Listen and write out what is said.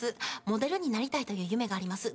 「モデルになりたいという夢があります」